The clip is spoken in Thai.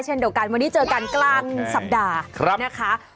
เช่นเดียวกันวันนี้เจอกันกลางสัปดาห์นะคะ